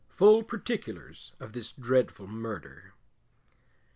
FULL PARTICULARS OF THIS DREADFUL MURDER.